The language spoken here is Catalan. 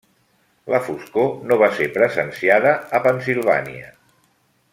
La foscor no va ser presenciada a Pennsilvània.